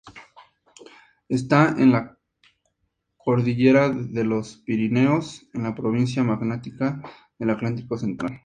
Esta en la cordillera de los Pirineos, en la Provincia magmática del Atlántico Central.